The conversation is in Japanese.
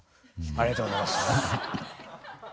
ありがとうございます。